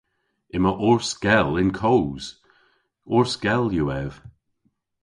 Yma ors gell y'n koos! Ors gell yw ev.